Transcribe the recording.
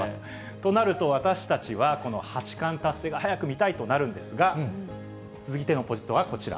となると、私たちはこの八冠達成が早く見たいとなるんですが、続いてのポイントはこちら。